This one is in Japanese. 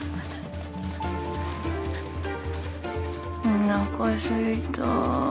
おなかすいた。